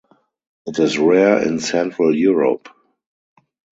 It is rare in Central Europe.